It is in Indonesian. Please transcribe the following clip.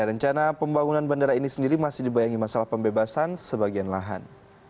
rencana pembangunan bandara ini sendiri masih dibayangi masalah pembebasan sebagian lahan